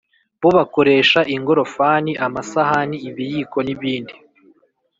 bo bakoresha ingorofani, amasahani, ibiyiko n’ibindi.